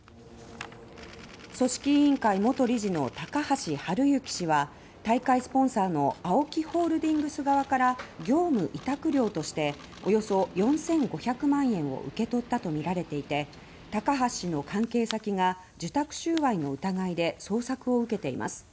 組織委員会元理事の高橋治之氏は大会スポンサーのＡＯＫＩホールディングス側から業務委託料としておよそ４５００万円を受け取ったとみられていて高橋氏の関係先が受託収賄の疑いで捜索を受けています。